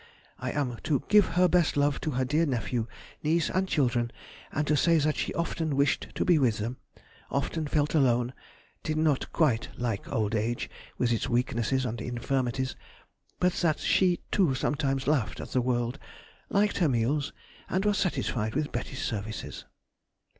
I am to "give her best love to her dear nephew, niece, and the children, and to say that she often wished to be with them, often felt alone, did not quite like old age with its weaknesses and infirmities, but that she too sometimes laughed at the world, liked her meals, and was satisfied with Betty's services."